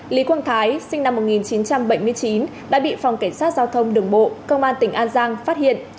lý quang thái sinh năm một nghìn chín trăm bảy mươi chín đã bị phòng cảnh sát giao thông đường bộ công an tỉnh an giang phát hiện